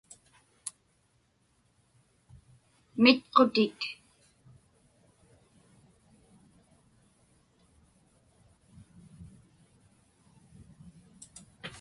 mitqutit